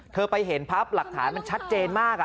ไปเห็นภาพหลักฐานมันชัดเจนมาก